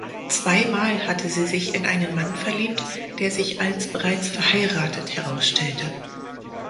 Zweimal hatte sie sich in einen Mann verliebt, der sich als bereits verheiratet herausstellte.